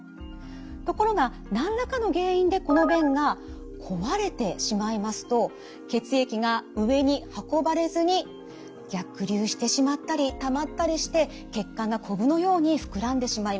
ところが何らかの原因でこの弁が壊れてしまいますと血液が上に運ばれずに逆流してしまったりたまったりして血管がこぶのように膨らんでしまいます。